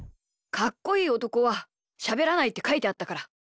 かっこいいおとこはしゃべらないってかいてあったから。